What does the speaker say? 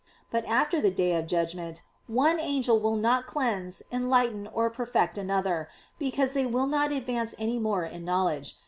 But after the Day of Judgment one angel will not cleanse, enlighten, or perfect another, because they will not advance any more in knowledge.